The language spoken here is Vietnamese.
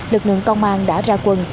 lực lượng công an đã ra quân